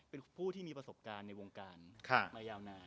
เป็นผู้ที่มีประสบการณ์ในวงการมายาวนาน